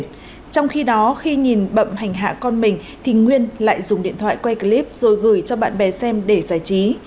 trong khi đó khi nhìn bậm hành hạ con mình thì nguyên lại dùng điện thoại quay clip rồi gửi cho bạn bè xem để giải trí